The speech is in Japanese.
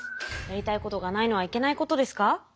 やりたいことがないのはいけないことですか？